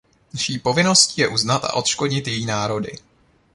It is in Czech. Naší povinností je uznat a odškodnit její národy.